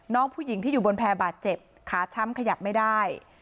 น้องผู้หญิงที่อยู่บนแพร่บาดเจ็บขาช้ำขยับไม่ได้